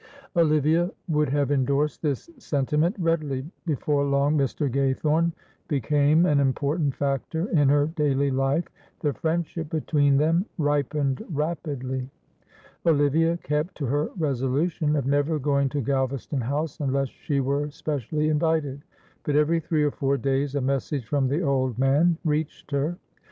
Olivia would have indorsed this sentiment readily; before long Mr. Gaythorne became an important factor in her daily life, the friendship between them ripened rapidly. Olivia kept to her resolution of never going to Galvaston House unless she were specially invited; but every three or four days a message from the old man reached her.